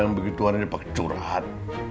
emang begitu ada yang pakai curhat